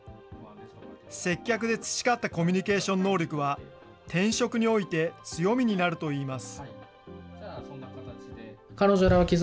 接客で培ったコミュニケーション能力は、転職において強みになるといいます。